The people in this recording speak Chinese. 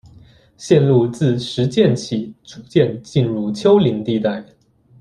线路自石涧起逐渐进入丘陵地带。